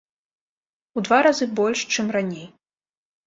У два разы больш, чым раней!